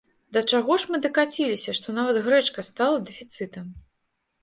Да чаго ж мы дакаціліся, што нават грэчка стала дэфіцытам?